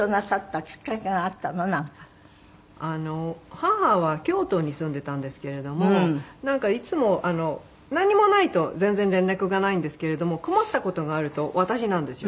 母は京都に住んでたんですけれどもなんかいつもなんにもないと全然連絡がないんですけれども困った事があると私なんですよね。